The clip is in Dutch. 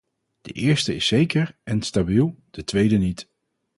De eerste is zeker en stabiel, de tweede niet.